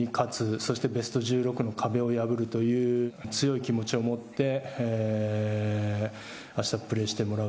そしてベスト１６の壁を破るという強い気持ちを持ってあしたプレーしてもらう。